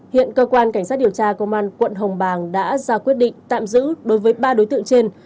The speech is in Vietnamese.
hiện cơ quan cảnh sát điều tra công an quận hồng bàng đã ra quyết định tạm giữ đối với ba đối tượng trên